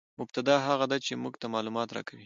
مبتداء هغه ده، چي موږ ته معلومات راکوي.